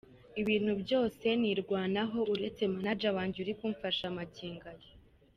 Ibintu byose nirwanaho uretse manager wanjye urimo kumfasha magingo aya.